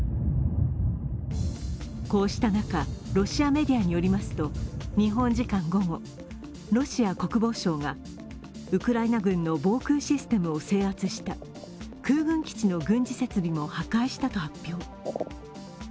こうした中、ロシアメディアによりますと日本時間午後、ロシア国防省がウクライナ軍の防空システムを制圧した空軍基地の軍事設備も破壊したと発表。